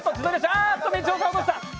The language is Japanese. あっと、みちおさん落とした。